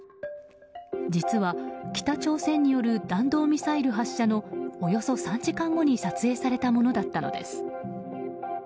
実は、北朝鮮による弾道ミサイル発射のおよそ３時間後に撮影されたものだったのです。